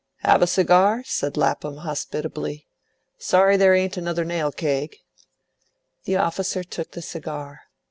"Have a cigar?" said Lapham hospitably. "Sorry there ain't another nail keg." The officer took the cigar.